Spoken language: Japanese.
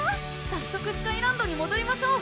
早速スカイランドにもどりましょう